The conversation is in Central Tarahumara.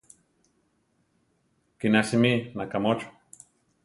Kiná simí, nakámocho!